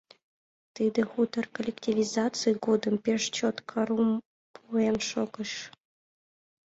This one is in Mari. Тиде хутор коллективизаций годым пеш чот карум пуэн шогыш.